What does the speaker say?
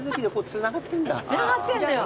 つながってんのよ。